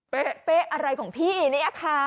เป๊ะเป๊ะอะไรของพี่เนี่ยคะ